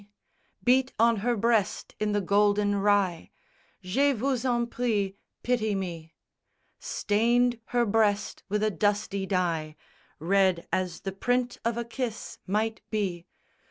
_ Beat on her breast in the golden rye, Je vous en prie, pity me, Stained her breast with a dusty dye Red as the print of a kiss might be!